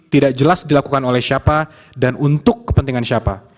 tidak jelas dilakukan oleh siapa dan untuk kepentingan siapa